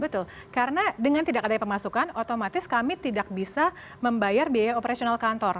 betul karena dengan tidak ada pemasukan otomatis kami tidak bisa membayar biaya operasional kantor